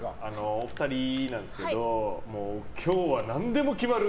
お二人なんですけど今日は何でも決まる！